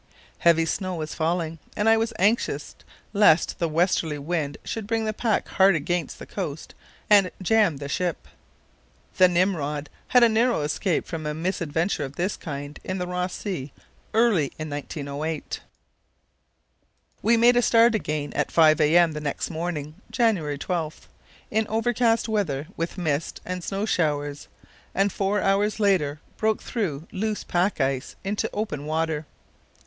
Heavy snow was falling, and I was anxious lest the westerly wind should bring the pack hard against the coast and jam the ship. The Nimrod had a narrow escape from a misadventure of this kind in the Ross Sea early in 1908. We made a start again at 5 a.m. the next morning (January 12) in overcast weather with mist and snow showers, and four hours later broke through loose pack ice into open water.